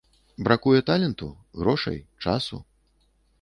Бракуе таленту, грошай, часу?